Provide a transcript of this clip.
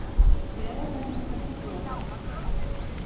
Creua tot l'estat de Croàcia.